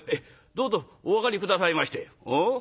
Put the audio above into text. どうぞお上がり下さいまして」。